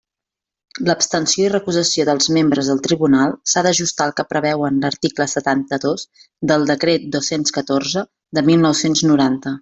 L'abstenció i recusació dels membres del Tribunal s'ha d'ajustar al que preveuen l'article setanta-dos del Decret dos-cents catorze de mil nou-cents noranta.